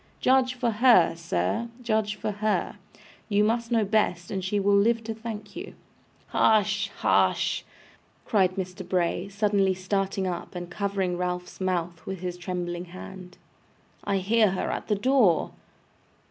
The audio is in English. Judge for her, sir, judge for her. You must know best, and she will live to thank you.' 'Hush! hush!' cried Mr. Bray, suddenly starting up, and covering Ralph's mouth with his trembling hand. 'I hear her at the door!